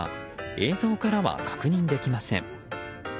映像からは確認できません。